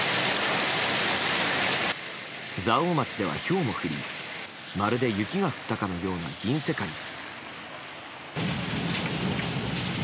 蔵王町ではひょうも降りまるで雪が降ったかのような銀世界に。